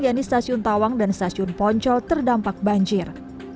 yang di stasiun tawang dan stasiun poncol terdampak banjir